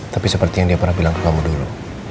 tapi seperti yang dia pernah bilang ke kamu dulu